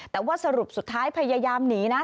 แต่ว่าสรุปสุดท้ายพยายามหนีนะ